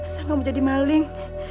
saya mau jadi maling